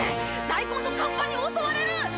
大根とカッパに襲われる！